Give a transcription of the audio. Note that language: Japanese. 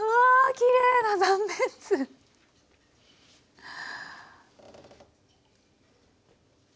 きれいな断面図。